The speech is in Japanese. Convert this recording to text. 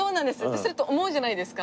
それと思うじゃないですか。